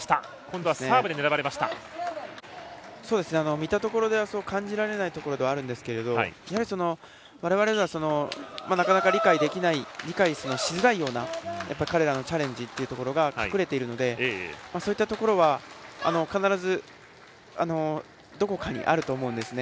見たところでは感じられないところではあるんですけどわれわれでは理解できない理解しづらいような彼らのチャレンジというところが隠れているのでそういったところは必ずどこかにあると思うんですね。